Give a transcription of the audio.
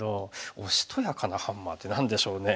「おしとやかなハンマー」って何でしょうね。